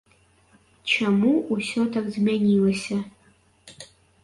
Чаму ўсё так змянілася?